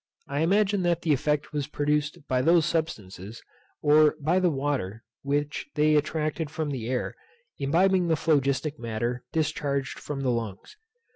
I imagine that the effect was produced by those substances, or by the water which they attracted from the air, imbibing the phlogistic matter discharged from the lungs.